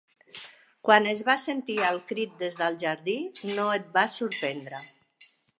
Quan es va sentir el crit des del jardí, no et va sorprendre.